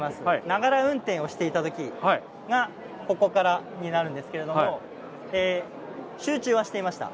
ながら運転をしていた時がここからになるんですけれども、集中はしていました。